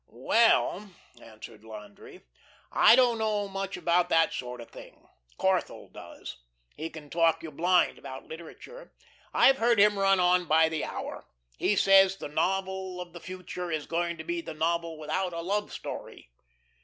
"Well," answered Landry, "I don't know much about that sort of thing. Corthell does. He can talk you blind about literature. I've heard him run on by the hour. He says the novel of the future is going to be the novel without a love story."